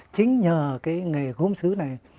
chính nhờ cái nghề gốm xứ này